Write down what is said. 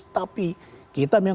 tapi kita memang